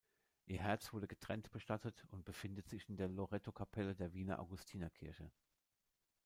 Ihr Herz wurde getrennt bestattet und befindet sich in der Loretokapelle der Wiener Augustinerkirche.